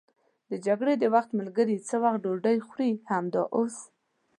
د جګړې د وخت ملګري څه وخت ډوډۍ خوري؟ همدا اوس.